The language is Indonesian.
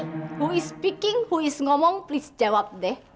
siapa yang bicara siapa yang ngomong tolong jawab deh